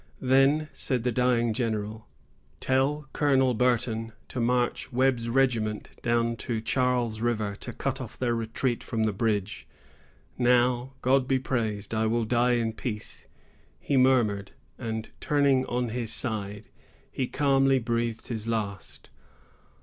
"Then," said the dying general, "tell Colonel Burton to march Webb's regiment down to Charles River, to cut off their retreat from the bridge. Now, God be praised, I will die in peace," he murmured; and, turning on his side, he calmly breathed his last.